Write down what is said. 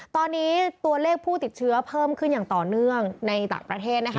ตอนนี้ตัวเลขผู้ติดเชื้อเพิ่มขึ้นอย่างต่อเนื่องในต่างประเทศนะคะ